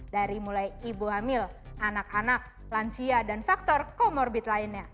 dari mulai ibu hamil anak anak lansia dan faktor comorbid lainnya